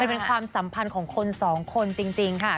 เป็นความสัมพันธ์ของคนสองคนจริงค่ะ